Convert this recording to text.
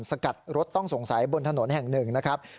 สกัดรถต้องสงสัยบนถนนแห่งหนึ่งนะครับ